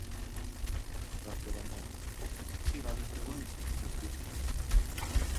Gaur arte, baina, itxi gabe zegoen kontzertuen zerrenda.